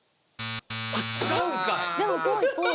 違うんかい！